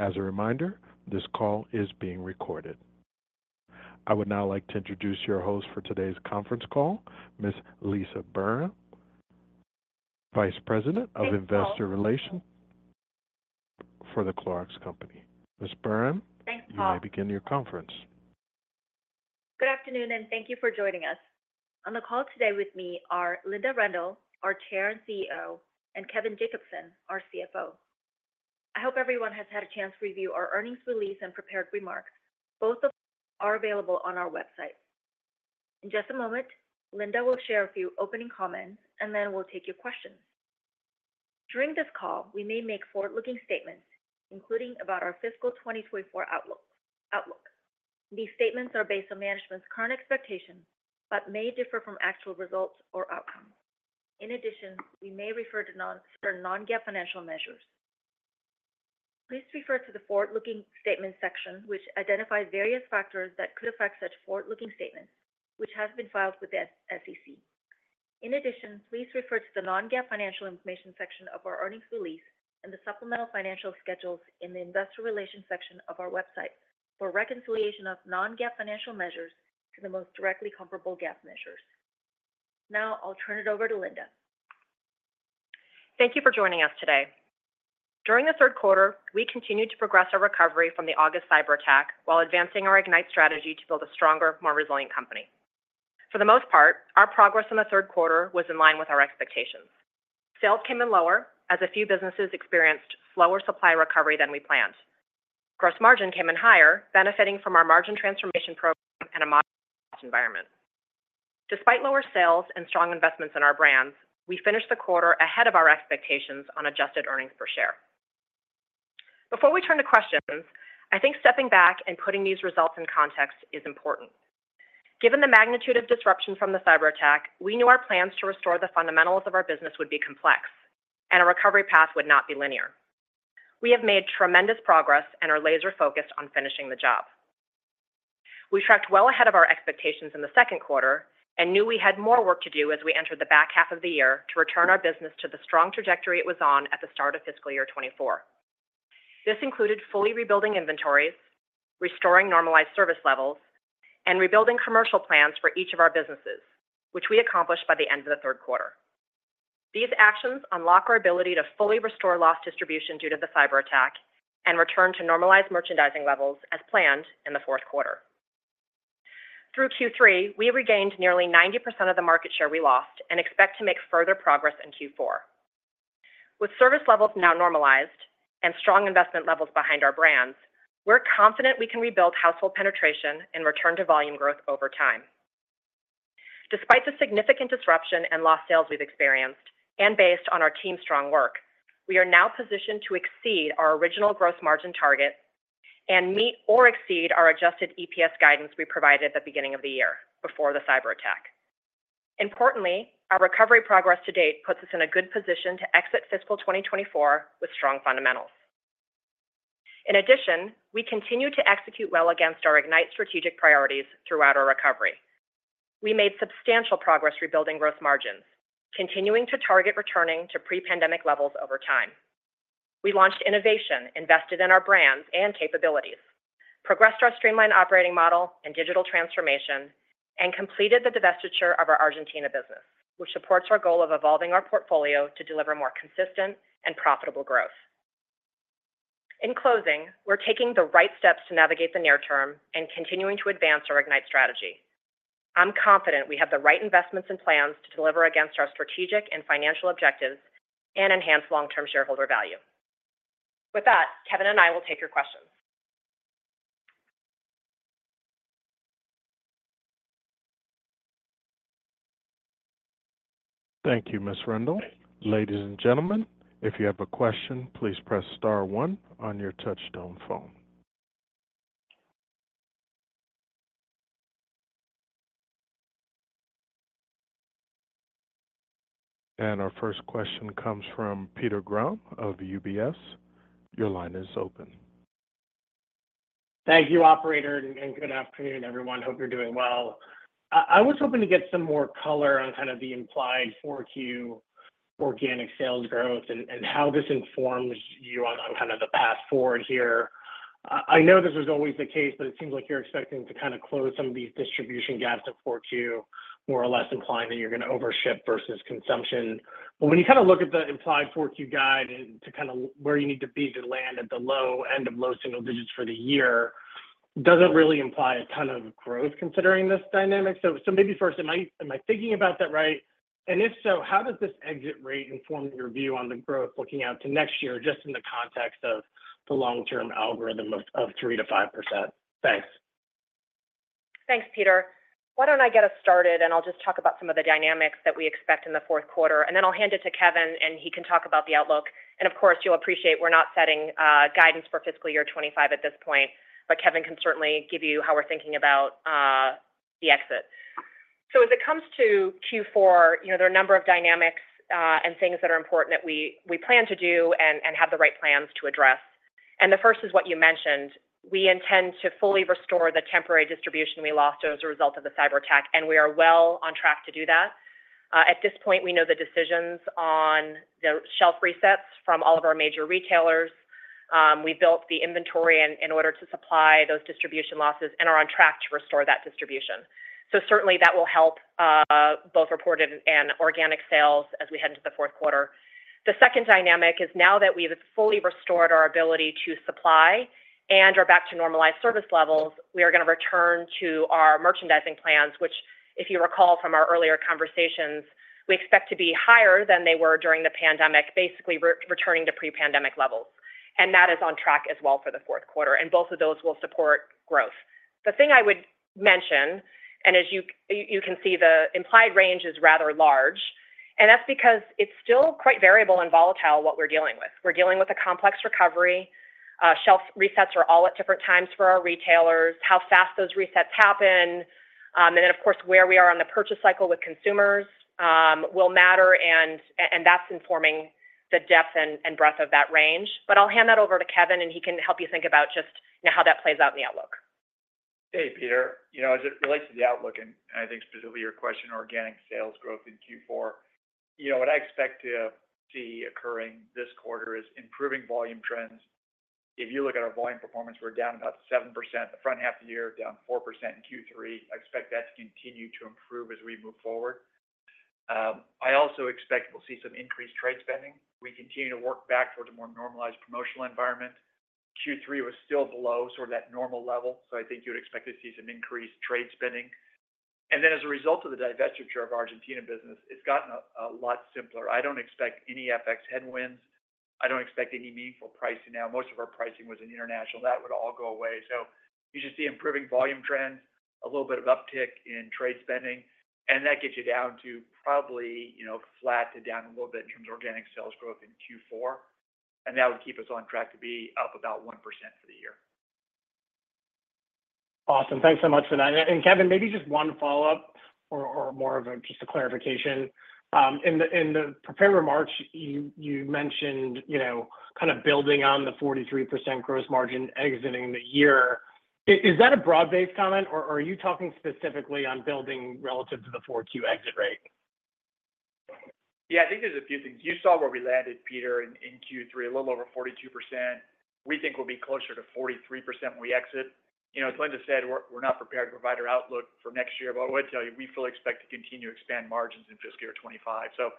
As a reminder, this call is being recorded. I would now like to introduce your host for today's conference call, Ms. Lisah Burhan, Vice President of Investor Relations for The Clorox Company. Ms. Burhan- Thanks, Paul. You may begin your conference. Good afternoon, and thank you for joining us. On the call today with me are Linda Rendle, our Chair and CEO, and Kevin Jacobsen, our CFO. I hope everyone has had a chance to review our earnings release and prepared remarks. Both are available on our website. In just a moment, Linda will share a few opening comments, and then we'll take your questions. During this call, we may make forward-looking statements, including about our fiscal 2024 outlook. These statements are based on management's current expectations, but may differ from actual results or outcomes. In addition, we may refer to non-GAAP financial measures. Please refer to the forward-looking statement section, which identifies various factors that could affect such forward-looking statements, which has been filed with the SEC. In addition, please refer to the Non-GAAP financial information section of our earnings release and the supplemental financial schedules in the investor relations section of our website for reconciliation of Non-GAAP financial measures to the most directly comparable GAAP measures. Now, I'll turn it over to Linda. Thank you for joining us today. During the third quarter, we continued to progress our recovery from the August cyberattack while advancing our Ignite strategy to build a stronger, more resilient company. For the most part, our progress in the third quarter was in line with our expectations. Sales came in lower as a few businesses experienced slower supply recovery than we planned. Gross margin came in higher, benefiting from our margin transformation program and a moderate environment. Despite lower sales and strong investments in our brands, we finished the quarter ahead of our expectations on adjusted earnings per share. Before we turn to questions, I think stepping back and putting these results in context is important. Given the magnitude of disruption from the cyberattack, we knew our plans to restore the fundamentals of our business would be complex, and a recovery path would not be linear. We have made tremendous progress and are laser-focused on finishing the job. We tracked well ahead of our expectations in the second quarter and knew we had more work to do as we entered the back half of the year to return our business to the strong trajectory it was on at the start of fiscal year 2024. This included fully rebuilding inventories, restoring normalized service levels, and rebuilding commercial plans for each of our businesses, which we accomplished by the end of the third quarter. These actions unlock our ability to fully restore lost distribution due to the cyberattack and return to normalized merchandising levels as planned in the fourth quarter. Through Q3, we regained nearly 90% of the market share we lost and expect to make further progress in Q4. With service levels now normalized and strong investment levels behind our brands, we're confident we can rebuild household penetration and return to volume growth over time. Despite the significant disruption and lost sales we've experienced and based on our team's strong work, we are now positioned to exceed our original gross margin target and meet or exceed our adjusted EPS guidance we provided at the beginning of the year, before the cyberattack. Importantly, our recovery progress to date puts us in a good position to exit fiscal 2024 with strong fundamentals. In addition, we continue to execute well against our Ignite strategic priorities throughout our recovery. We made substantial progress rebuilding gross margins, continuing to target returning to pre-pandemic levels over time. We launched innovation, invested in our brands and capabilities, progressed our streamlined operating model and digital transformation, and completed the divestiture of our Argentina business, which supports our goal of evolving our portfolio to deliver more consistent and profitable growth. In closing, we're taking the right steps to navigate the near term and continuing to advance our Ignite strategy. I'm confident we have the right investments and plans to deliver against our strategic and financial objectives and enhance long-term shareholder value. With that, Kevin and I will take your questions. Thank you, Ms. Rendle. Ladies and gentlemen, if you have a question, please press star one on your touch-tone phone. Our first question comes from Peter Grom of UBS. Your line is open. Thank you, operator, and good afternoon, everyone. Hope you're doing well. I was hoping to get some more color on kind of the implied 4Q organic sales growth and how this informs you on kind of the path forward here. I know this is always the case, but it seems like you're expecting to kind of close some of these distribution gaps in 4Q, more or less implying that you're going to overship versus consumption. But when you kind of look at the implied 4Q guide and to kind of where you need to be to land at the low end of low single digits for the year, doesn't really imply a ton of growth considering this dynamic. So maybe first, am I thinking about that right? If so, how does this exit rate inform your view on the growth looking out to next year, just in the context of the long-term algorithm of 3%-5%? Thanks. Thanks, Peter. Why don't I get us started, and I'll just talk about some of the dynamics that we expect in the fourth quarter, and then I'll hand it to Kevin, and he can talk about the outlook. Of course, you'll appreciate we're not setting guidance for fiscal year 25 at this point, but Kevin can certainly give you how we're thinking about the exit. As it comes to Q4, you know, there are a number of dynamics and things that are important that we plan to do and have the right plans to address. The first is what you mentioned. We intend to fully restore the temporary distribution we lost as a result of the cyberattack, and we are well on track to do that.... At this point, we know the decisions on the shelf resets from all of our major retailers. We built the inventory in order to supply those distribution losses and are on track to restore that distribution. So certainly, that will help both reported and organic sales as we head into the fourth quarter. The second dynamic is now that we've fully restored our ability to supply and are back to normalized service levels, we are gonna return to our merchandising plans, which, if you recall from our earlier conversations, we expect to be higher than they were during the pandemic, basically returning to pre-pandemic levels, and that is on track as well for the fourth quarter, and both of those will support growth. The thing I would mention, and as you, you can see, the implied range is rather large, and that's because it's still quite variable and volatile what we're dealing with. We're dealing with a complex recovery. Shelf resets are all at different times for our retailers, how fast those resets happen, and then, of course, where we are on the purchase cycle with consumers, will matter, and, and that's informing the depth and, and breadth of that range. But I'll hand that over to Kevin, and he can help you think about just, you know, how that plays out in the outlook. Hey, Peter. You know, as it relates to the outlook, and I think specifically your question, organic sales growth in Q4, you know, what I expect to see occurring this quarter is improving volume trends. If you look at our volume performance, we're down about 7%, the front half of the year, down 4% in Q3. I expect that to continue to improve as we move forward. I also expect we'll see some increased trade spending. We continue to work back towards a more normalized promotional environment. Q3 was still below sort of that normal level, so I think you'd expect to see some increased trade spending. And then, as a result of the divestiture of Argentina business, it's gotten a lot simpler. I don't expect any FX headwinds. I don't expect any meaningful pricing now. Most of our pricing was in international, and that would all go away. So you should see improving volume trends, a little bit of uptick in trade spending, and that gets you down to probably, you know, flat to down a little bit in terms of organic sales growth in Q4, and that would keep us on track to be up about 1% for the year. Awesome. Thanks so much for that. And, Kevin, maybe just one follow-up or more of a piece of clarification. In the prepared remarks, you mentioned, you know, kind of building on the 43% gross margin exiting the year. Is that a broad-based comment, or are you talking specifically on building relative to the 4Q exit rate? Yeah, I think there's a few things. You saw where we landed, Peter, in Q3, a little over 42%. We think we'll be closer to 43% when we exit. You know, as Linda said, we're not prepared to provide our outlook for next year, but I would tell you, we fully expect to continue to expand margins in fiscal year 2025. So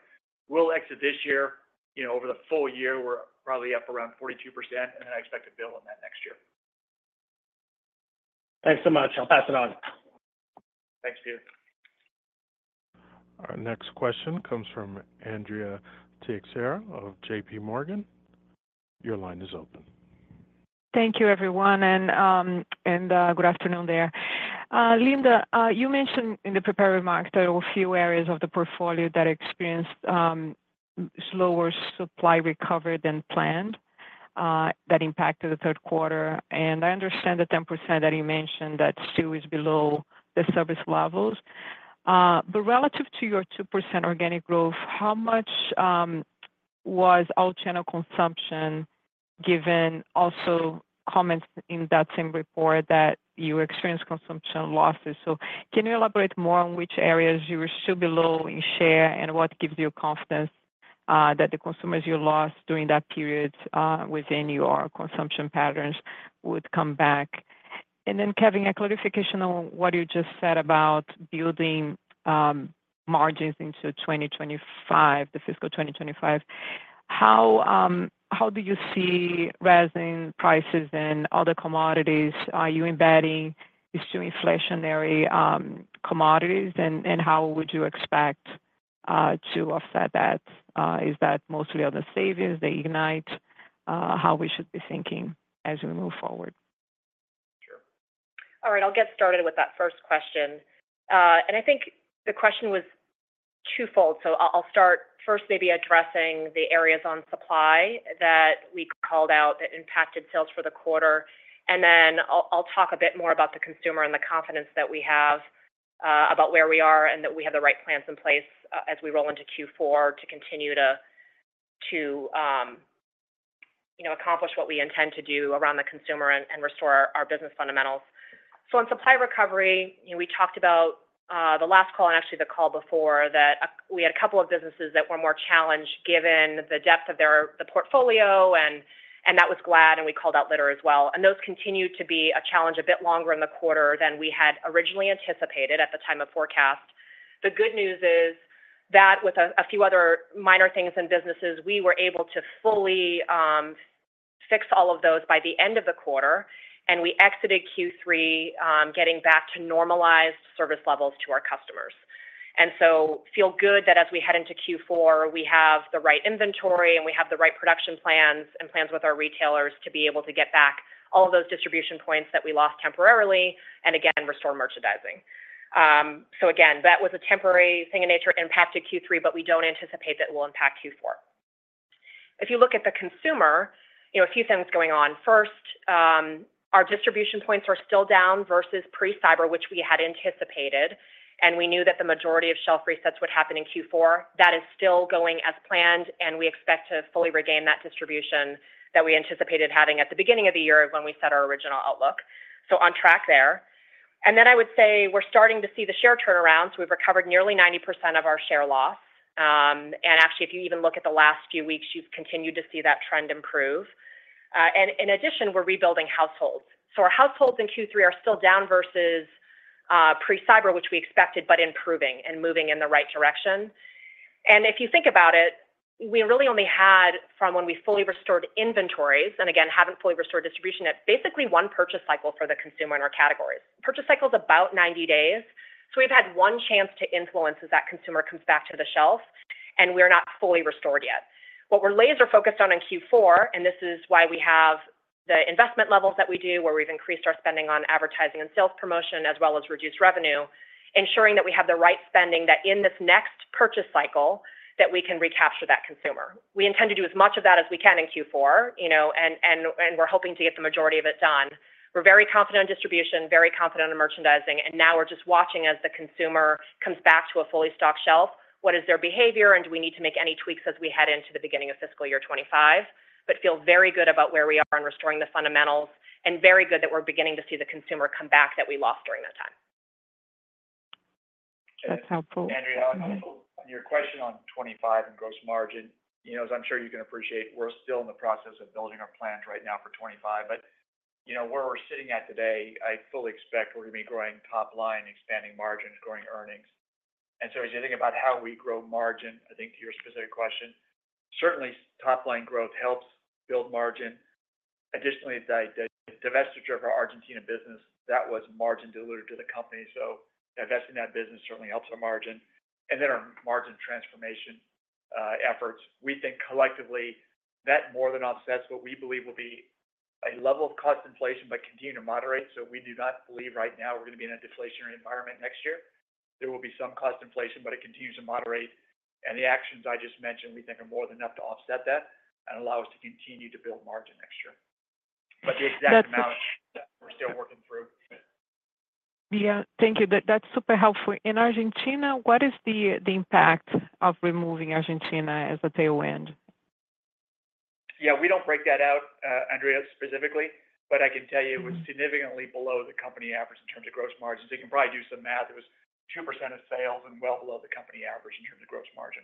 we'll exit this year. You know, over the full year, we're probably up around 42%, and I expect to build on that next year. Thanks so much. I'll pass it on. Thanks, Peter. Our next question comes from Andrea Teixeira of J.P. Morgan. Your line is open. Thank you, everyone, and good afternoon there. Linda, you mentioned in the prepared remarks there were a few areas of the portfolio that experienced slower supply recovery than planned that impacted the third quarter. And I understand the 10% that you mentioned that still is below the service levels. But relative to your 2% organic growth, how much was all channel consumption, given also comments in that same report that you experienced consumption losses? So can you elaborate more on which areas you are still below in share, and what gives you confidence that the consumers you lost during that period within your consumption patterns would come back? And then, Kevin, a clarification on what you just said about building margins into 2025, the fiscal 2025. How do you see resin prices and other commodities? Are you embedding these two inflationary commodities, and how would you expect to offset that? Is that mostly on the savings, the Ignite, how we should be thinking as we move forward? Sure. All right, I'll get started with that first question. And I think the question was twofold. So I'll start first maybe addressing the areas on supply that we called out that impacted sales for the quarter, and then I'll talk a bit more about the consumer and the confidence that we have about where we are and that we have the right plans in place as we roll into Q4 to continue to you know, accomplish what we intend to do around the consumer and restore our business fundamentals. So on supply recovery, you know, we talked about the last call and actually the call before that, we had a couple of businesses that were more challenged given the depth of their portfolio and that was Glad, and we called out litter as well. And those continued to be a challenge a bit longer in the quarter than we had originally anticipated at the time of forecast. The good news is that with a few other minor things in businesses, we were able to fully fix all of those by the end of the quarter, and we exited Q3 getting back to normalized service levels to our customers. And so feel good that as we head into Q4, we have the right inventory, and we have the right production plans and plans with our retailers to be able to get back all of those distribution points that we lost temporarily and again, restore merchandising. So again, that was a temporary thing in nature, impacted Q3, but we don't anticipate that it will impact Q4. If you look at the consumer, you know, a few things going on. First, our distribution points are still down versus pre-cyber, which we had anticipated, and we knew that the majority of shelf resets would happen in Q4. That is still going as planned, and we expect to fully regain that distribution that we anticipated having at the beginning of the year when we set our original outlook. So on track there. And then I would say we're starting to see the share turnarounds. We've recovered nearly 90% of our share loss. And actually, if you even look at the last few weeks, you've continued to see that trend improve. And in addition, we're rebuilding households. So our households in Q3 are still down versus pre-cyber, which we expected, but improving and moving in the right direction. If you think about it, we really only had from when we fully restored inventories, and again, haven't fully restored distribution, yet basically one purchase cycle for the consumer in our categories. Purchase cycle is about 90 days, so we've had one chance to influence as that consumer comes back to the shelf, and we're not fully restored yet. What we're laser-focused on in Q4, and this is why we have the investment levels that we do, where we've increased our spending on advertising and sales promotion, as well as reduced revenue, ensuring that we have the right spending, that in this next purchase cycle, that we can recapture that consumer. We intend to do as much of that as we can in Q4, you know, and, and, and we're hoping to get the majority of it done. We're very confident in distribution, very confident in merchandising, and now we're just watching as the consumer comes back to a fully stocked shelf. What is their behavior, and do we need to make any tweaks as we head into the beginning of fiscal year 25? But feel very good about where we are in restoring the fundamentals, and very good that we're beginning to see the consumer come back that we lost during that time. That's helpful. Andrea, on your question on 2025 and gross margin, you know, as I'm sure you can appreciate, we're still in the process of building our plans right now for 2025. But, you know, where we're sitting at today, I fully expect we're going to be growing top line, expanding margins, growing earnings. And so as you think about how we grow margin, I think to your specific question, certainly top line growth helps build margin. Additionally, the divestiture of our Argentina business, that was margin dilutive to the company, so divesting that business certainly helps our margin. And then our margin transformation efforts, we think collectively, that more than offsets what we believe will be a level of cost inflation, but continue to moderate. So we do not believe right now we're going to be in a deflationary environment next year. There will be some cost inflation, but it continues to moderate. And the actions I just mentioned, we think, are more than enough to offset that and allow us to continue to build margin next year. But the exact amount, we're still working through. Yeah. Thank you. That, that's super helpful. In Argentina, what is the impact of removing Argentina as a tailwind? Yeah, we don't break that out, Andrea, specifically, but I can tell you it was significantly below the company average in terms of gross margins. You can probably do some math. It was 2% of sales and well below the company average in terms of gross margin.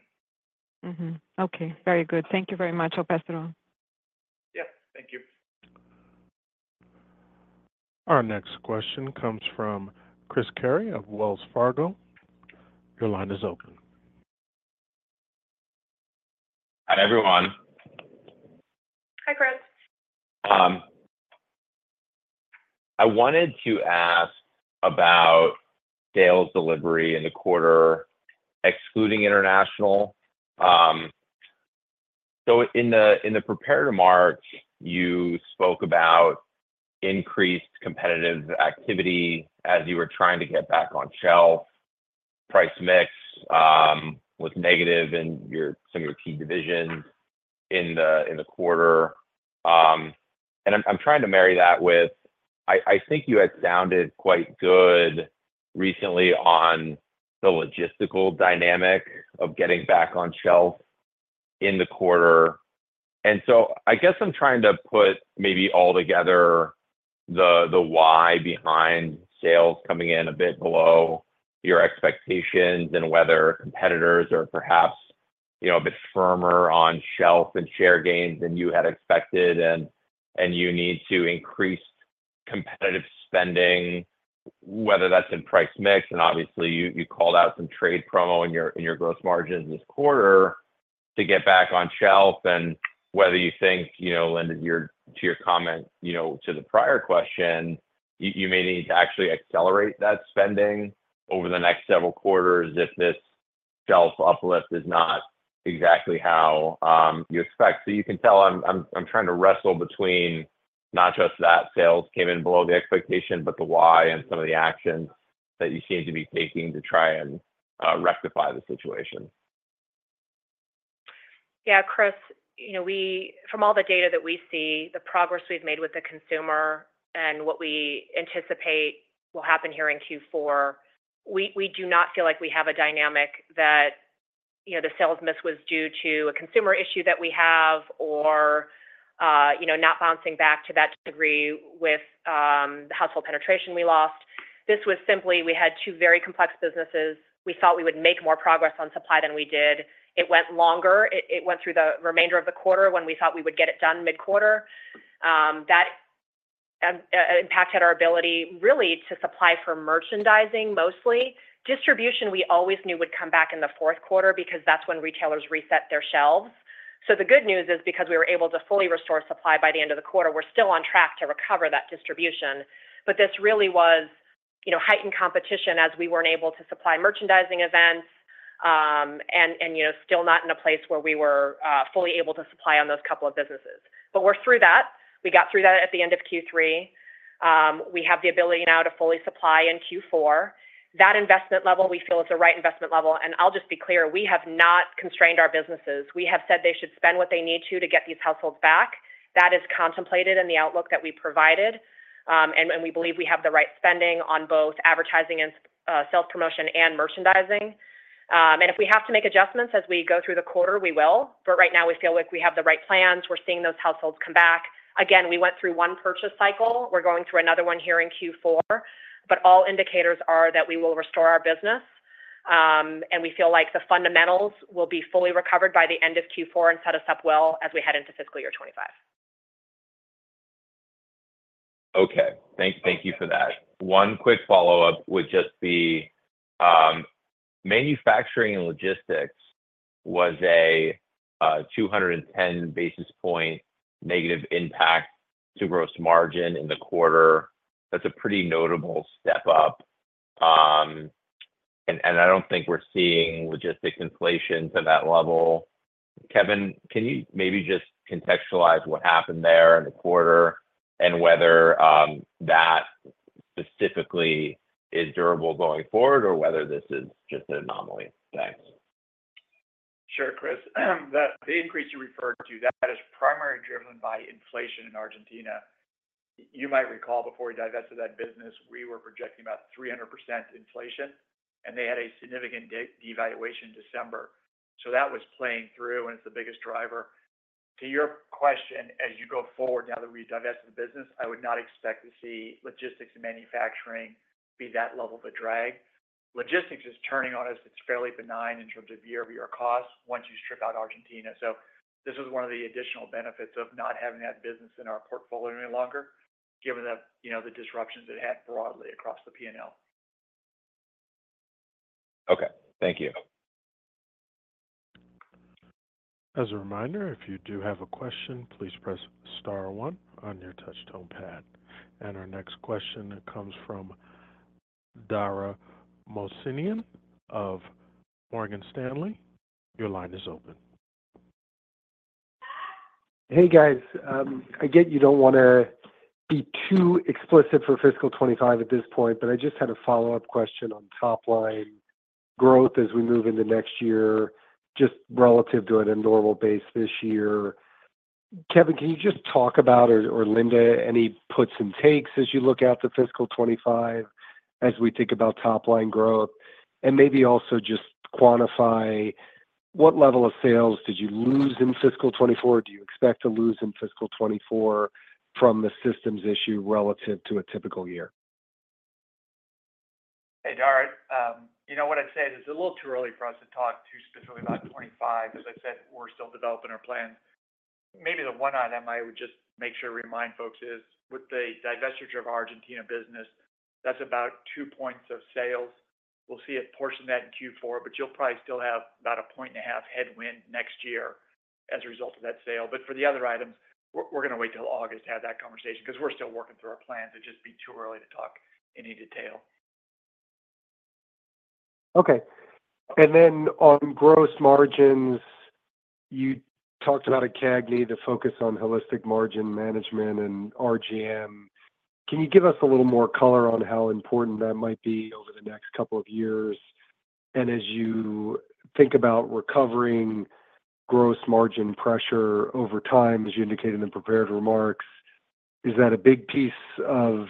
Mm-hmm. Okay. Very good. Thank you very much. I'll pass it on. Yeah, thank you. Our next question comes from Chris Carey of Wells Fargo. Your line is open. Hi, everyone. Hi, Chris. I wanted to ask about sales delivery in the quarter, excluding international. So in the prepared remarks, you spoke about increased competitive activity as you were trying to get back on shelf. Price mix was negative in some of your key divisions in the quarter. And I'm trying to marry that with, I think you had sounded quite good recently on the logistical dynamic of getting back on shelf in the quarter. And so I guess I'm trying to put maybe all together the why behind sales coming in a bit below your expectations and whether competitors are perhaps, you know, a bit firmer on shelf and share gains than you had expected, and you need to increase competitive spending, whether that's in price mix. Obviously, you called out some trade promo in your gross margins this quarter to get back on shelf, and whether you think, you know, Linda, your comment, you know, to the prior question, you may need to actually accelerate that spending over the next several quarters if this shelf uplift is not exactly how you expect. So you can tell I'm trying to wrestle between not just that sales came in below the expectation, but the why and some of the actions that you seem to be taking to try and rectify the situation. Yeah, Chris, you know, we from all the data that we see, the progress we've made with the consumer and what we anticipate will happen here in Q4, we do not feel like we have a dynamic that, you know, the sales miss was due to a consumer issue that we have or, you know, not bouncing back to that degree with the household penetration we lost. This was simply we had two very complex businesses. We thought we would make more progress on supply than we did. It went longer. It went through the remainder of the quarter when we thought we would get it done mid-quarter. That impact had our ability, really, to supply for merchandising, mostly. Distribution, we always knew would come back in the fourth quarter because that's when retailers reset their shelves. So the good news is because we were able to fully restore supply by the end of the quarter, we're still on track to recover that distribution. But this really was, you know, heightened competition as we weren't able to supply merchandising events, and you know, still not in a place where we were fully able to supply on those couple of businesses. But we're through that. We got through that at the end of Q3. We have the ability now to fully supply in Q4. That investment level, we feel, is the right investment level, and I'll just be clear: we have not constrained our businesses. We have said they should spend what they need to, to get these households back. That is contemplated in the outlook that we provided, and we believe we have the right spending on both advertising and sales promotion and merchandising. If we have to make adjustments as we go through the quarter, we will. Right now, we feel like we have the right plans. We're seeing those households come back. Again, we went through one purchase cycle. We're going through another one here in Q4, but all indicators are that we will restore our business, and we feel like the fundamentals will be fully recovered by the end of Q4 and set us up well as we head into fiscal year 25. Okay. Thank you for that. One quick follow-up would just be manufacturing and logistics was a 210 basis point negative impact to gross margin in the quarter. That's a pretty notable step up. And I don't think we're seeing logistic inflation to that level. Kevin, can you maybe just contextualize what happened there in the quarter and whether that specifically is durable going forward or whether this is just an anomaly? Thanks. Sure, Chris. That the increase you referred to, that is primarily driven by inflation in Argentina. You might recall before we divested that business, we were projecting about 300% inflation, and they had a significant devaluation in December. So that was playing through, and it's the biggest driver. To your question, as you go forward now that we divested the business, I would not expect to see logistics and manufacturing be that level of a drag. Logistics is turning on us. It's fairly benign in terms of year-over-year costs once you strip out Argentina. So this is one of the additional benefits of not having that business in our portfolio any longer, given the, you know, the disruptions it had broadly across the P&L. Okay, thank you. As a reminder, if you do have a question, please press star one on your touch tone pad. Our next question comes from Dara Mohsenian of Morgan Stanley. Your line is open. Hey, guys. I get you don't wanna be too explicit for fiscal 2025 at this point, but I just had a follow-up question on top line growth as we move into next year, just relative to a normal base this year. Kevin, can you just talk about, or Linda, any puts and takes as you look out to fiscal 2025, as we think about top-line growth? And maybe also just quantify what level of sales did you lose in fiscal 2024? Do you expect to lose in fiscal 2024 from the systems issue relative to a typical year? Hey, Dara. You know, what I'd say is it's a little too early for us to talk too specifically about 25. As I said, we're still developing our plans. Maybe the one item I would just make sure to remind folks is, with the divestiture of Argentina business, that's about 2 points of sales. We'll see a portion of that in Q4, but you'll probably still have about 1.5-point headwind next year as a result of that sale. But for the other items, we're gonna wait till August to have that conversation 'cause we're still working through our plans. It'd just be too early to talk any detail. Okay. Then on gross margins, you talked about at CAGNY, the focus on holistic margin management and RGM. Can you give us a little more color on how important that might be over the next couple of years? And as you think about recovering gross margin pressure over time, as you indicated in prepared remarks, is that a big piece of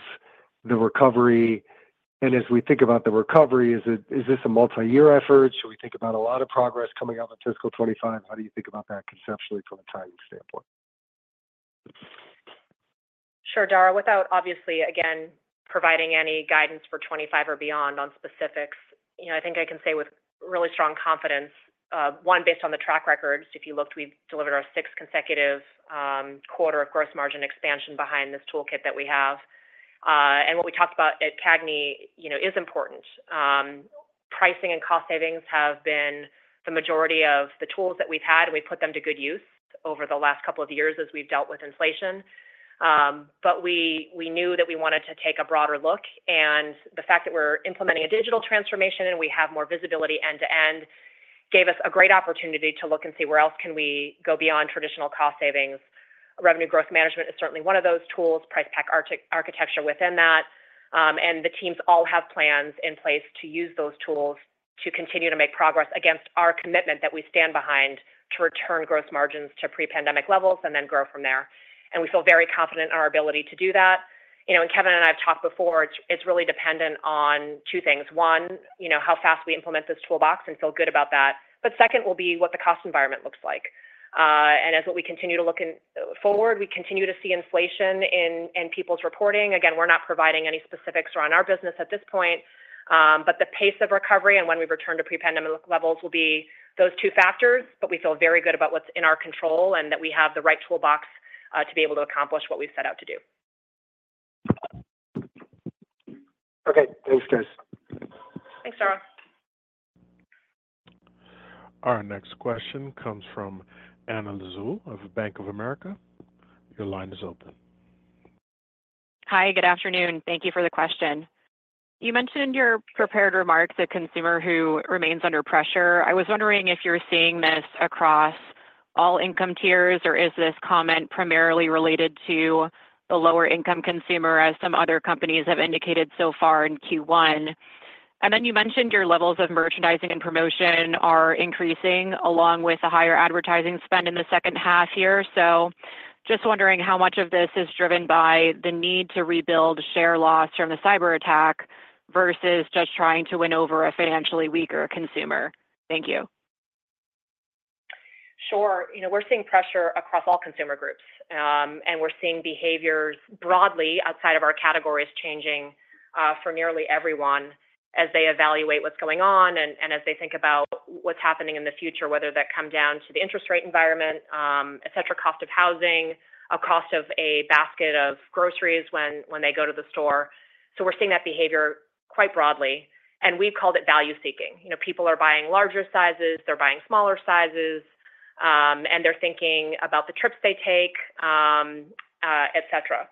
the recovery? And as we think about the recovery, is it, is this a multi-year effort? Should we think about a lot of progress coming out in fiscal 2025? How do you think about that conceptually from a timing standpoint? Sure, Dara. Without obviously, again, providing any guidance for 25 or beyond on specifics, you know, I think I can say with really strong confidence, one, based on the track record, if you looked, we've delivered our sixth consecutive quarter of gross margin expansion behind this toolkit that we have. And what we talked about at CAGNY, you know, is important. Pricing and cost savings have been the majority of the tools that we've had, and we've put them to good use over the last couple of years as we've dealt with inflation. But we knew that we wanted to take a broader look, and the fact that we're implementing a digital transformation and we have more visibility end-to-end gave us a great opportunity to look and see where else can we go beyond traditional cost savings. Revenue growth management is certainly one of those tools, price pack architecture within that. And the teams all have plans in place to use those tools to continue to make progress against our commitment that we stand behind to return gross margins to pre-pandemic levels and then grow from there. And we feel very confident in our ability to do that. You know, and Kevin and I have talked before, it's really dependent on two things. One, you know, how fast we implement this toolbox and feel good about that. But second will be what the cost environment looks like. And as we continue to look forward, we continue to see inflation in people's reporting. Again, we're not providing any specifics around our business at this point, but the pace of recovery and when we return to pre-pandemic levels will be those two factors, but we feel very good about what's in our control and that we have the right toolbox to be able to accomplish what we've set out to do. Okay. Thanks, guys. Thanks, Dara. Our next question comes from Anna Lizzul of Bank of America. Your line is open. Hi, good afternoon. Thank you for the question. You mentioned in your prepared remarks, a consumer who remains under pressure. I was wondering if you're seeing this across all income tiers, or is this comment primarily related to the lower income consumer, as some other companies have indicated so far in Q1? And then you mentioned your levels of merchandising and promotion are increasing, along with a higher advertising spend in the second half year. So just wondering how much of this is driven by the need to rebuild share loss from the cyberattack versus just trying to win over a financially weaker consumer. Thank you. Sure. You know, we're seeing pressure across all consumer groups, and we're seeing behaviors broadly outside of our categories changing, for nearly everyone as they evaluate what's going on and, as they think about what's happening in the future, whether that come down to the interest rate environment, cost of housing, a cost of a basket of groceries when they go to the store. So we're seeing that behavior quite broadly, and we've called it value seeking. You know, people are buying larger sizes, they're buying smaller sizes, and they're thinking about the trips they take, et cetera.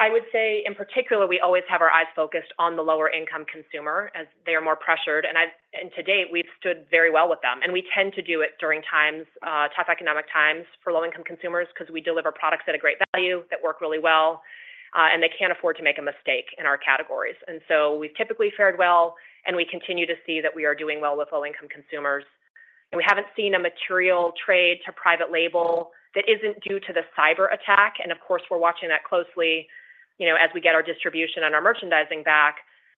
I would say, in particular, we always have our eyes focused on the lower-income consumer as they are more pressured, and to date, we've stood very well with them, and we tend to do it during times, tough economic times for low-income consumers because we deliver products at a great value that work really well, and they can't afford to make a mistake in our categories. And so we've typically fared well, and we continue to see that we are doing well with low-income consumers. And we haven't seen a material trade to private label that isn't due to the cyberattack, and of course, we're watching that closely, you know, as we get our distribution and our merchandising back.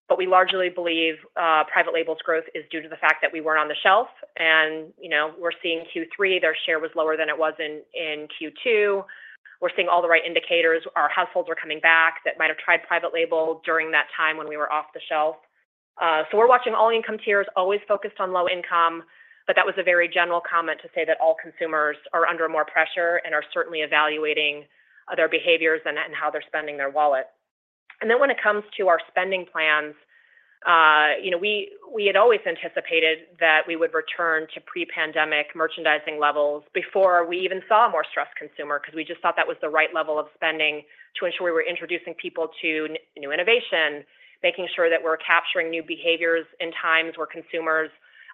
But we largely believe private label's growth is due to the fact that we weren't on the shelf, and, you know, we're seeing Q3, their share was lower than it was in Q2. We're seeing all the right indicators. Our households are coming back that might have tried private label during that time when we were off the shelf. So we're watching all income tiers, always focused on low income, but that was a very general comment to say that all consumers are under more pressure and are certainly evaluating other behaviors and, and how they're spending their wallet. And then when it comes to our spending plans, you know, we had always anticipated that we would return to pre-pandemic merchandising levels before we even saw a more stressed consumer, because we just thought that was the right level of spending to ensure we were introducing people to new innovation, making sure that we're capturing new behaviors in times where consumers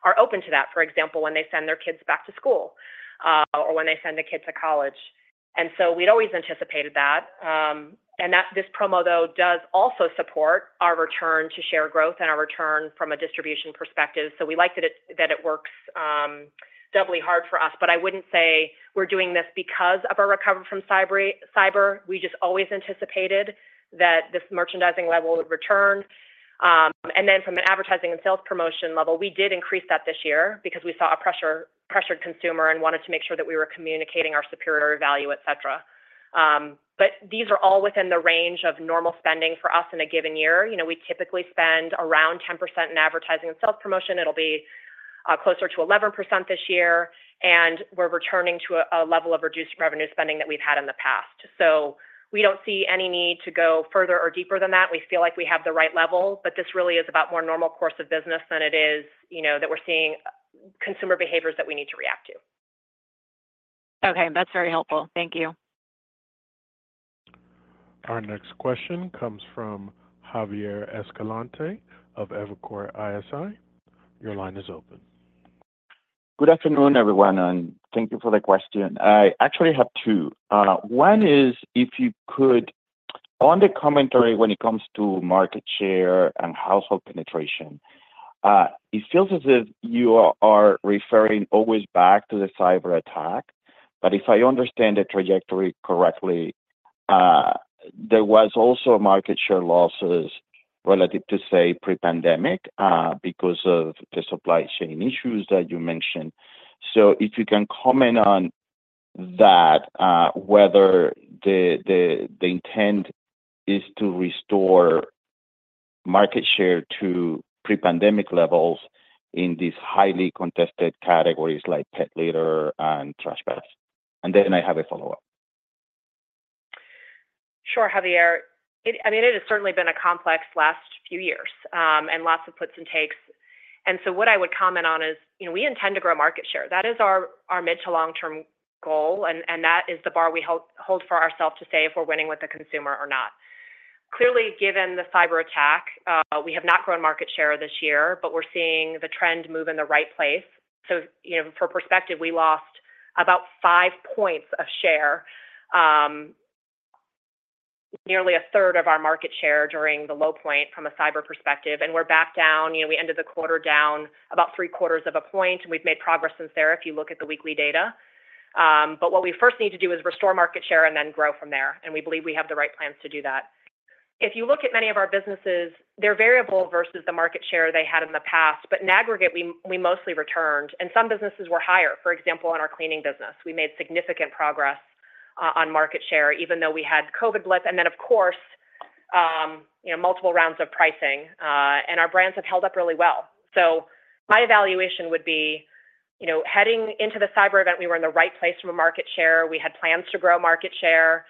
are open to that, for example, when they send their kids back to school, or when they send a kid to college. And so we'd always anticipated that, and that this promo, though, does also support our return to share growth and our return from a distribution perspective. So we like that it works doubly hard for us. But I wouldn't say we're doing this because of our recovery from cyber. We just always anticipated that this merchandising level would return. And then from an advertising and sales promotion level, we did increase that this year because we saw a pressure, pressured consumer and wanted to make sure that we were communicating our superior value, et cetera. But these are all within the range of normal spending for us in a given year. You know, we typically spend around 10% in advertising and sales promotion. It'll be closer to 11% this year, and we're returning to a level of reduced revenue spending that we've had in the past. So we don't see any need to go further or deeper than that. We feel like we have the right level, but this really is about more normal course of business than it is, you know, that we're seeing consumer behaviors that we need to react to. Okay, that's very helpful. Thank you. Our next question comes from Javier Escalante of Evercore ISI. Your line is open. Good afternoon, everyone, and thank you for the question. I actually have two. One is, if you could, on the commentary when it comes to market share and household penetration, it feels as if you are referring always back to the cyberattack, but if I understand the trajectory correctly, there was also market share losses relative to, say, pre-pandemic, because of the supply chain issues that you mentioned. So if you can comment on that, whether the intent is to restore market share to pre-pandemic levels in these highly contested categories like pet litter and trash bags. And then I have a follow-up. Sure, Javier. I mean, it has certainly been a complex last few years, and lots of puts and takes. And so what I would comment on is, you know, we intend to grow market share. That is our, our mid to long-term goal, and, and that is the bar we hold, hold for ourselves to say if we're winning with the consumer or not. Clearly, given the cyberattack, we have not grown market share this year, but we're seeing the trend move in the right place. So, you know, for perspective, we lost about five points of share, nearly a third of our market share during the low point from a cyber perspective, and we're back down. You know, we ended the quarter down about three-quarters of a point, and we've made progress since there, if you look at the weekly data. But what we first need to do is restore market share and then grow from there, and we believe we have the right plans to do that. If you look at many of our businesses, they're variable versus the market share they had in the past, but in aggregate, we mostly returned, and some businesses were higher. For example, in our cleaning business, we made significant progress on market share, even though we had COVID blitz, and then, of course, you know, multiple rounds of pricing, and our brands have held up really well. So my evaluation would be, you know, heading into the cyber event, we were in the right place from a market share. We had plans to grow market share.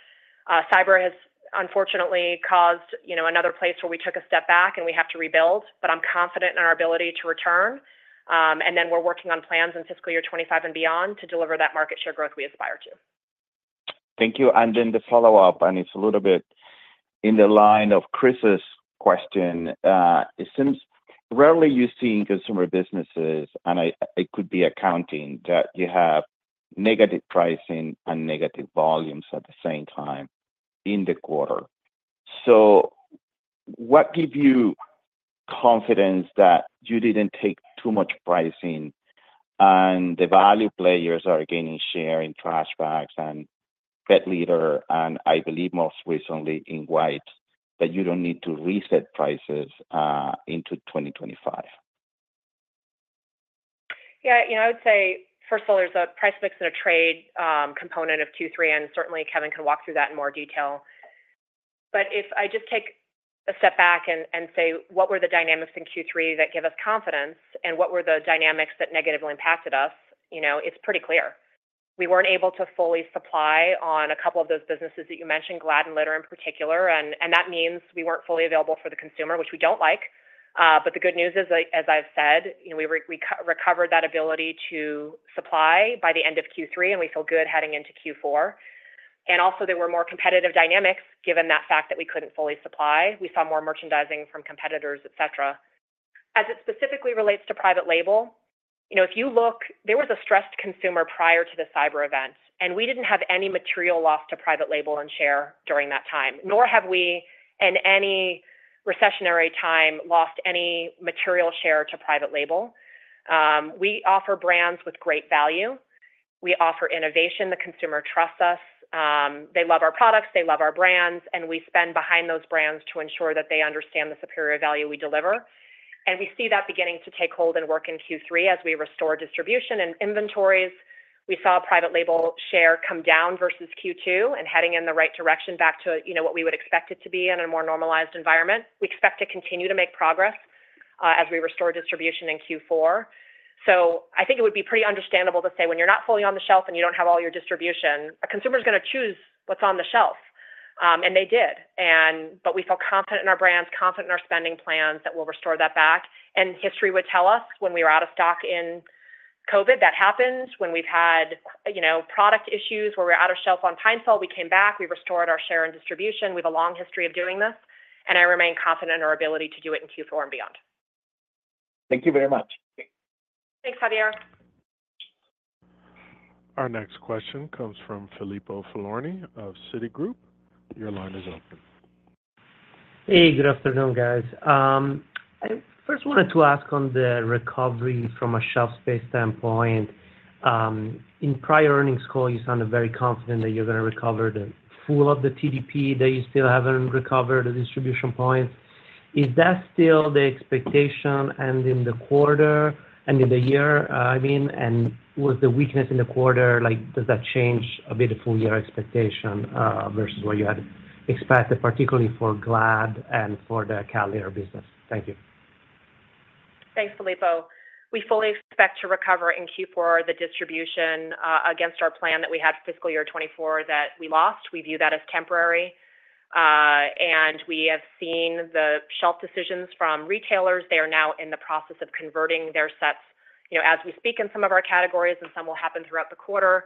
Cyber has unfortunately caused, you know, another place where we took a step back and we have to rebuild, but I'm confident in our ability to return. And then we're working on plans in fiscal year 25 and beyond to deliver that market share growth we aspire to. Thank you. And then the follow-up, and it's a little bit in the line of Chris's question. It seems rarely you see in consumer businesses, and I it could be accounting, that you have negative pricing and negative volumes at the same time in the quarter. So what give you confidence that you didn't take too much pricing and the value players are gaining share in trash bags and pet litter, and I believe most recently in wipes, that you don't need to reset prices into 2025? Yeah, you know, I would say, first of all, there's a price mix and a trade component of Q3, and certainly, Kevin can walk through that in more detail. But if I just take a step back and say, what were the dynamics in Q3 that give us confidence, and what were the dynamics that negatively impacted us? You know, it's pretty clear. We weren't able to fully supply on a couple of those businesses that you mentioned, Glad and litter in particular, and that means we weren't fully available for the consumer, which we don't like. But the good news is, as I've said, you know, we recovered that ability to supply by the end of Q3, and we feel good heading into Q4. And also, there were more competitive dynamics given that fact that we couldn't fully supply. We saw more merchandising from competitors, et cetera. As it specifically relates to private label, you know, if you look, there was a stressed consumer prior to the cyber event, and we didn't have any material loss to private label and share during that time, nor have we, in any recessionary time, lost any material share to private label. We offer brands with great value. We offer innovation. The consumer trusts us. They love our products, they love our brands, and we spend behind those brands to ensure that they understand the superior value we deliver. And we see that beginning to take hold and work in Q3 as we restore distribution and inventories. We saw a private label share come down versus Q2 and heading in the right direction back to, you know, what we would expect it to be in a more normalized environment. We expect to continue to make progress, as we restore distribution in Q4. So I think it would be pretty understandable to say when you're not fully on the shelf and you don't have all your distribution, a consumer is gonna choose what's on the shelf. And they did, and... But we feel confident in our brands, confident in our spending plans, that we'll restore that back. And history would tell us, when we were out of stock in COVID, that happens. When we've had, you know, product issues, where we're out of shelf on Pine-Sol, we came back, we restored our share and distribution. We have a long history of doing this, and I remain confident in our ability to do it in Q4 and beyond. Thank you very much. Thanks, Javier. Our next question comes from Filippo Falorni of Citigroup. Your line is open. Hey, good afternoon, guys. I first wanted to ask on the recovery from a shelf space standpoint. In prior earnings call, you sounded very confident that you're gonna recover the full of the TDP, that you still haven't recovered the distribution points. Is that still the expectation, and in the quarter, and in the year, I mean, and was the weakness in the quarter, like, does that change a bit of full year expectation, versus what you had expected, particularly for Glad and for the cat litter business? Thank you. Thanks, Filippo. We fully expect to recover in Q4 the distribution against our plan that we had for fiscal year 2024 that we lost. We view that as temporary. We have seen the shelf decisions from retailers. They are now in the process of converting their sets, you know, as we speak in some of our categories, and some will happen throughout the quarter.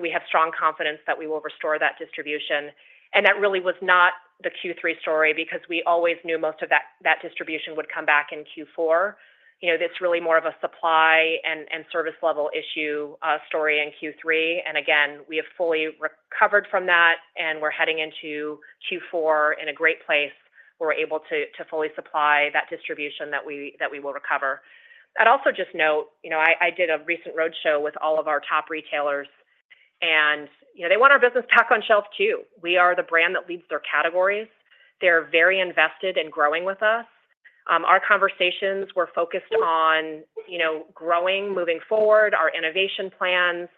We have strong confidence that we will restore that distribution. That really was not the Q3 story because we always knew most of that distribution would come back in Q4. You know, that's really more of a supply and service level issue story in Q3. Again, we have fully recovered from that, and we're heading into Q4 in a great place, where we're able to fully supply that distribution that we will recover. I'd also just note, you know, I did a recent roadshow with all of our top retailers, and, you know, they want our business back on shelf, too. We are the brand that leads their categories. They're very invested in growing with us. Our conversations were focused on, you know, growing, moving forward, our innovation plans,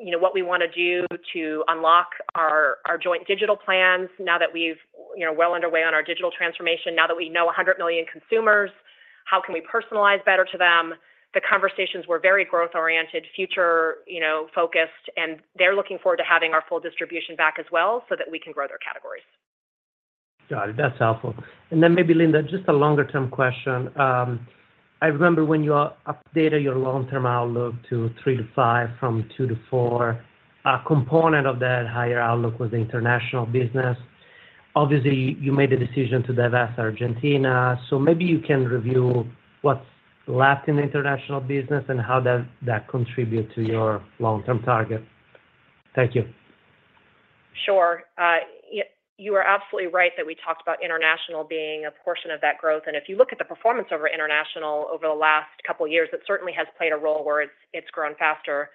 you know, what we wanna do to unlock our, our joint digital plans now that we've, you know, well underway on our digital transformation, now that we know 100 million consumers, how can we personalize better to them? The conversations were very growth-oriented, future, you know, focused, and they're looking forward to having our full distribution back as well so that we can grow their categories. Got it. That's helpful. Then maybe, Linda, just a longer-term question. I remember when you updated your long-term outlook to 3-5 from 2-4, a component of that higher outlook was the international business. Obviously, you made a decision to divest Argentina, so maybe you can review what's left in the international business and how does that contribute to your long-term target. Thank you. Sure. You are absolutely right that we talked about international being a portion of that growth, and if you look at the performance over international over the last couple of years, it certainly has played a role where it's grown faster.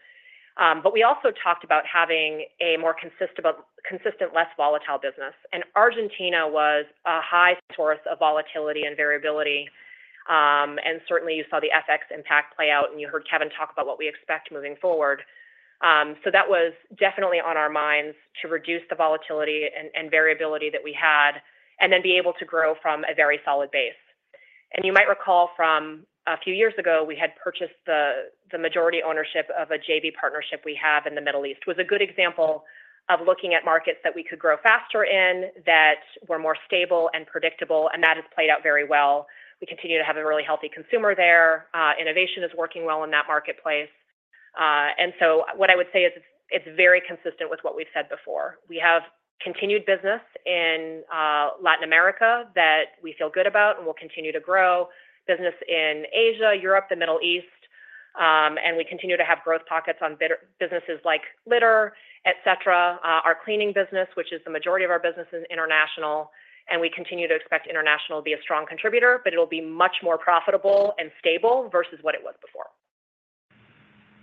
But we also talked about having a more consistent, less volatile business, and Argentina was a high source of volatility and variability. And certainly, you saw the FX impact play out, and you heard Kevin talk about what we expect moving forward. So that was definitely on our minds to reduce the volatility and variability that we had, and then be able to grow from a very solid base. And you might recall from a few years ago, we had purchased the majority ownership of a JV partnership we have in the Middle East. It was a good example of looking at markets that we could grow faster in, that were more stable and predictable, and that has played out very well. We continue to have a really healthy consumer there. Innovation is working well in that marketplace. And so what I would say is it's, it's very consistent with what we've said before. We have continued business in Latin America that we feel good about and will continue to grow, business in Asia, Europe, the Middle East, and we continue to have growth pockets in businesses like litter, et cetera, our cleaning business, which is the majority of our business in international, and we continue to expect international to be a strong contributor, but it'll be much more profitable and stable versus what it was before.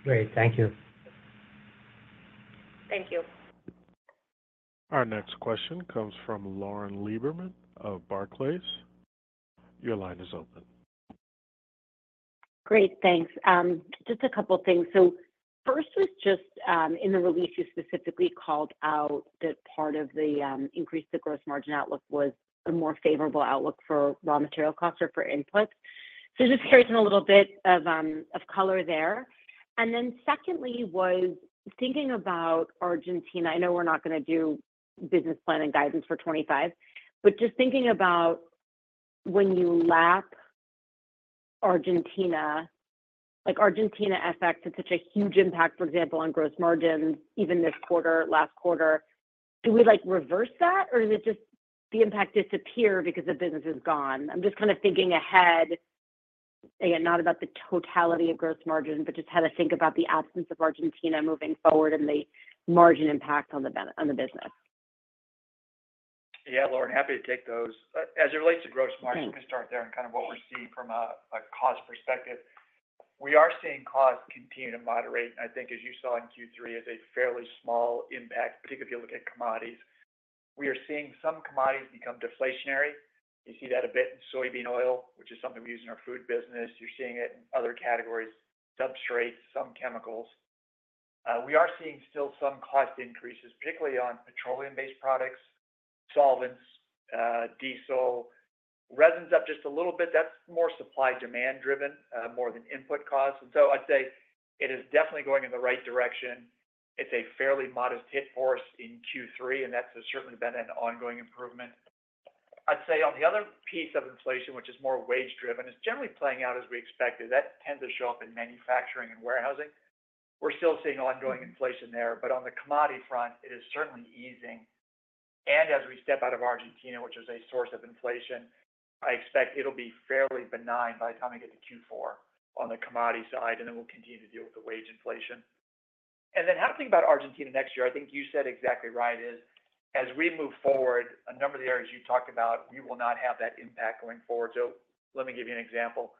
Great. Thank you. Thank you. Our next question comes from Lauren Lieberman of Barclays. Your line is open. Great, thanks. Just a couple of things. So first was just, in the release, you specifically called out that part of the, increase the gross margin outlook was a more favorable outlook for raw material costs or for input. So just carrying a little bit of, of color there. And then secondly, was thinking about Argentina. I know we're not going to do business plan and guidance for 2025, but just thinking about when you lap Argentina, like Argentina FX had such a huge impact, for example, on gross margins, even this quarter, last quarter. Do we like reverse that, or does it just the impact disappear because the business is gone? I'm just kind of thinking ahead, again, not about the totality of gross margin, but just how to think about the absence of Argentina moving forward and the margin impact on the business. Yeah, Lauren, happy to take those. As it relates to gross margin, let me start there and kind of what we're seeing from a cost perspective. We are seeing costs continue to moderate, and I think as you saw in Q3, is a fairly small impact, particularly if you look at commodities. We are seeing some commodities become deflationary. You see that a bit in soybean oil, which is something we use in our food business. You're seeing it in other categories, substrates, some chemicals. We are seeing still some cost increases, particularly on petroleum-based products, solvents, diesel, resins up just a little bit. That's more supply demand driven, more than input costs. And so I'd say it is definitely going in the right direction. It's a fairly modest hit for us in Q3, and that's certainly been an ongoing improvement. I'd say on the other piece of inflation, which is more wage driven, it's generally playing out as we expected. That tends to show up in manufacturing and warehousing. We're still seeing ongoing inflation there, but on the commodity front, it is certainly easing. And as we step out of Argentina, which is a source of inflation, I expect it'll be fairly benign by the time we get to Q4 on the commodity side, and then we'll continue to deal with the wage inflation. And then how to think about Argentina next year, I think you said exactly right, is as we move forward, a number of the areas you talked about, we will not have that impact going forward. So let me give you an example.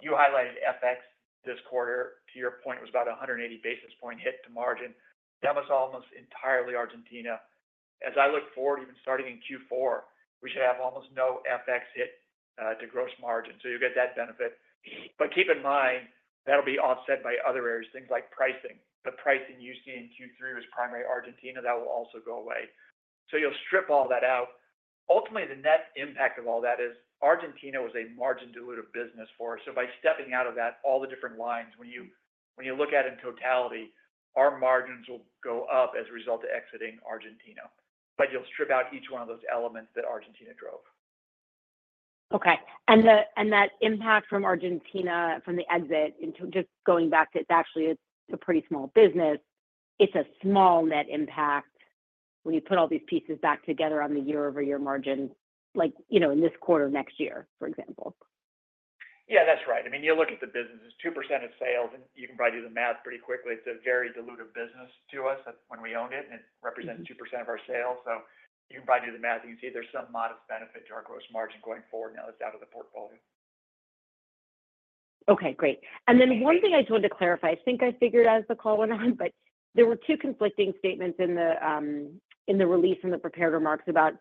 You highlighted FX this quarter, to your point, was about 180 basis point hit to margin. That was almost entirely Argentina. As I look forward, even starting in Q4, we should have almost no FX hit to gross margin, so you'll get that benefit. But keep in mind, that'll be offset by other areas, things like pricing. The pricing you see in Q3 was primarily Argentina. That will also go away. So you'll strip all that out. Ultimately, the net impact of all that is Argentina was a margin dilutive business for us. So by stepping out of that, all the different lines, when you look at in totality, our margins will go up as a result of exiting Argentina. But you'll strip out each one of those elements that Argentina drove. Okay. And that impact from Argentina, from the exit, into just going back to it's actually a pretty small business, it's a small net impact when you put all these pieces back together on the year-over-year margin, like, you know, in this quarter, next year, for example. Yeah, that's right. I mean, you look at the business, it's 2% of sales, and you can probably do the math pretty quickly. It's a very dilutive business to us when we owned it, and it represents 2% of our sales. So you can probably do the math, and you can see there's some modest benefit to our gross margin going forward now that it's out of the portfolio. Okay, great. And then one thing I just wanted to clarify, I think I figured as the call went on, but there were two conflicting statements in the release from the prepared remarks about,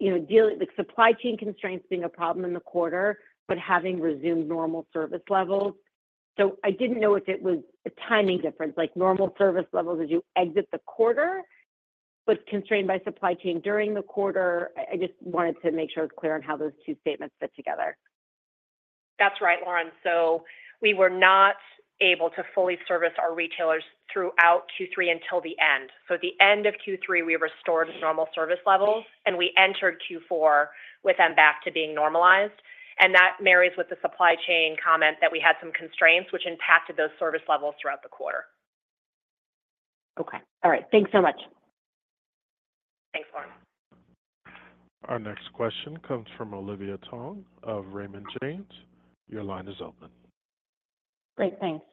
you know, like, supply chain constraints being a problem in the quarter, but having resumed normal service levels. So I didn't know if it was a timing difference, like normal service levels, as you exit the quarter, was constrained by supply chain during the quarter. I just wanted to make sure it was clear on how those two statements fit together. That's right, Lauren. So we were not able to fully service our retailers throughout Q3 until the end. So at the end of Q3, we restored normal service levels, and we entered Q4 with them back to being normalized. And that marries with the supply chain comment that we had some constraints which impacted those service levels throughout the quarter. Okay. All right. Thanks so much. Thanks, Lauren. Our next question comes from Olivia Tong of Raymond James. Your line is open. Great, thanks.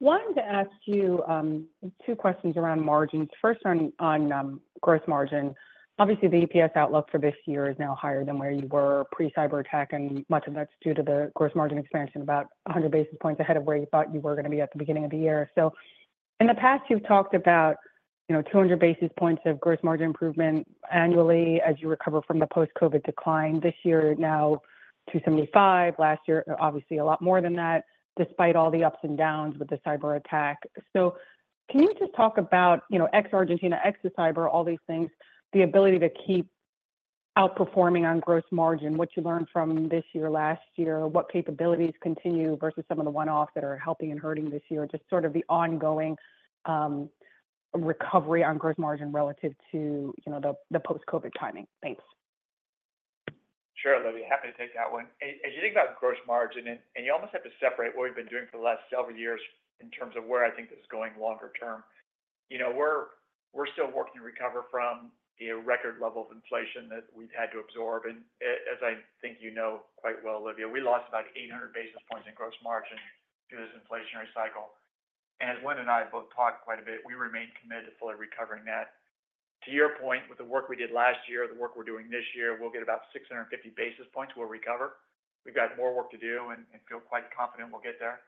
Wanted to ask you two questions around margins. First, on gross margin. Obviously, the EPS outlook for this year is now higher than where you were pre-cyberattack, and much of that's due to the gross margin expansion, about 100 basis points ahead of where you thought you were going to be at the beginning of the year. So in the past, you've talked about, you know, 200 basis points of gross margin improvement annually as you recover from the post-COVID decline. This year, now, 275. Last year, obviously, a lot more than that, despite all the ups and downs with the cyberattack. So can you just talk about, you know, ex-Argentina, ex-the cyber, all these things, the ability to keep outperforming on gross margin, what you learned from this year, last year, what capabilities continue versus some of the one-offs that are helping and hurting this year? Just sort of the ongoing recovery on gross margin relative to, you know, the post-COVID timing. Thanks. Sure, Olivia, happy to take that one. As you think about gross margin, and you almost have to separate what we've been doing for the last several years in terms of where I think this is going longer term. You know, we're still working to recover from the record level of inflation that we've had to absorb, and as I think you know quite well, Olivia, we lost about 800 basis points in gross margin through this inflationary cycle. And as Linda and I both talked quite a bit, we remain committed to fully recovering that. To your point, with the work we did last year, the work we're doing this year, we'll get about 650 basis points we'll recover. We've got more work to do and feel quite confident we'll get there.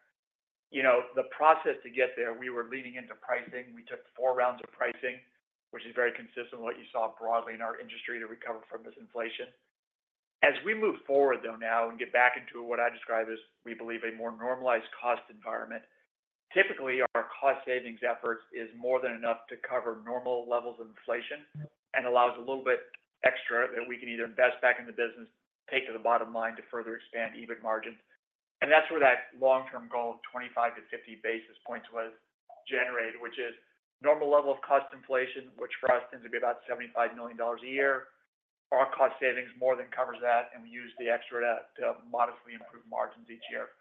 You know, the process to get there, we were leaning into pricing. We took four rounds of pricing, which is very consistent with what you saw broadly in our industry to recover from this inflation. As we move forward, though, now and get back into what I describe as we believe a more normalized cost environment, typically, our cost savings efforts is more than enough to cover normal levels of inflation and allows a little bit extra that we can either invest back in the business, take to the bottom line to further expand EBIT margins. And that's where that long-term goal of 25-50 basis points was generated, which is normal level of cost inflation, which for us tends to be about $75 million a year. Our cost savings more than covers that, and we use the extra to modestly improve margins each year.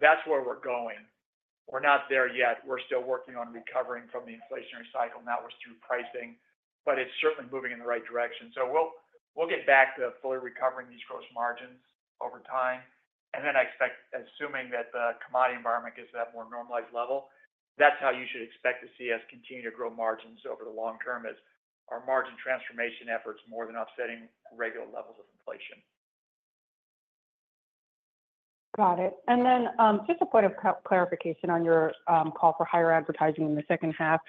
That's where we're going. We're not there yet. We're still working on recovering from the inflationary cycle, and that was through pricing, but it's certainly moving in the right direction. So we'll, we'll get back to fully recovering these gross margins over time. And then I expect, assuming that the commodity environment gets to that more normalized level, that's how you should expect to see us continue to grow margins over the long term, is our margin transformation efforts more than offsetting regular levels of inflation. Got it. And then, just a point of clarification on your call for higher advertising in the second half.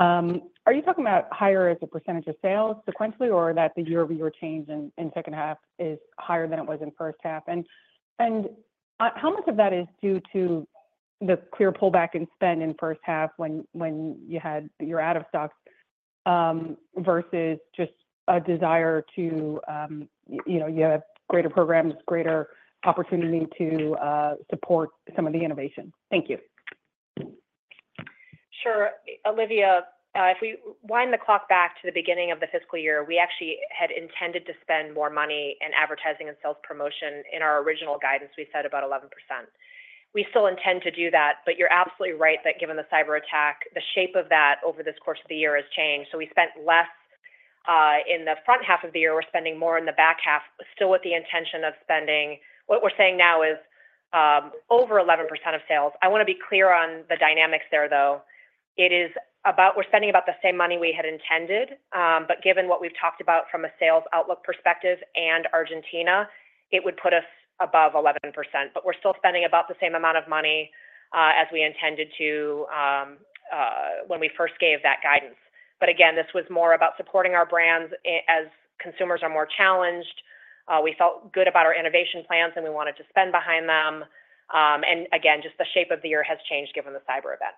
Are you talking about higher as a percentage of sales sequentially, or that the year-over-year change in second half is higher than it was in first half? And how much of that is due to the clear pullback in spend in first half when you had your out of stocks versus just a desire to, you know, you have greater programs, greater opportunity to support some of the innovation? Thank you. Sure. Olivia, if we wind the clock back to the beginning of the fiscal year, we actually had intended to spend more money in advertising and sales promotion. In our original guidance, we said about 11%. We still intend to do that, but you're absolutely right that given the cyberattack, the shape of that over this course of the year has changed. So we spent less in the front half of the year. We're spending more in the back half, still with the intention of spending... What we're saying now is over 11% of sales. I want to be clear on the dynamics there, though. It is about-- we're spending about the same money we had intended, but given what we've talked about from a sales outlook perspective and Argentina, it would put us above 11%. But we're still spending about the same amount of money, as we intended to, when we first gave that guidance. But again, this was more about supporting our brands as consumers are more challenged. We felt good about our innovation plans, and we wanted to spend behind them. And again, just the shape of the year has changed given the cyber event.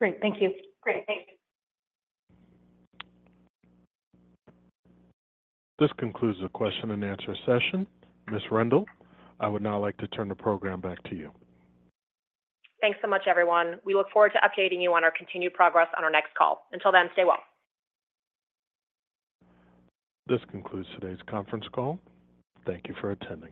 Great. Thank you. Great. Thanks. This concludes the question and answer session. Ms. Rendle, I would now like to turn the program back to you. Thanks so much, everyone. We look forward to updating you on our continued progress on our next call. Until then, stay well. This concludes today's conference call. Thank you for attending.